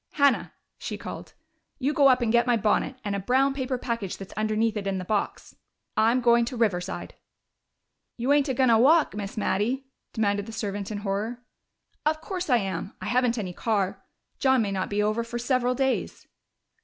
"Hannah!" she called. "You go up and get my bonnet, and a brown paper package that's underneath it in the box. I'm going to Riverside." "You ain't a goin' a walk, Miss Mattie?" demanded the servant in horror. "Of course I am. I haven't any car. John may not be over for several days."